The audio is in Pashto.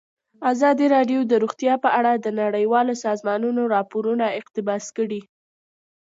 ازادي راډیو د روغتیا په اړه د نړیوالو سازمانونو راپورونه اقتباس کړي.